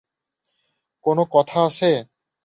কোনো কথা আছে?